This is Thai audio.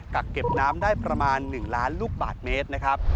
กักเก็บน้ำได้ประมาณ๑ล้านลูกบาทเมตรนะครับ